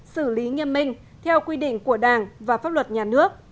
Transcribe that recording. xử lý nghiêm minh theo quy định của đảng và pháp luật nhà nước